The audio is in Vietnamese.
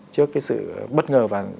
trước cái sự bất ngờ và